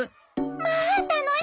まあ楽しそう！